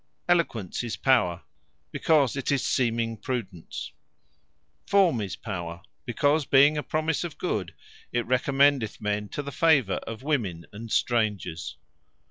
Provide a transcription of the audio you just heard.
Eloquence is Power; because it is seeming Prudence. Forme is Power; because being a promise of Good, it recommendeth men to the favour of women and strangers.